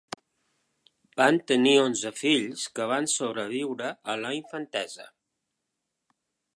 Van tenir onze fills que van sobreviure a la infantesa.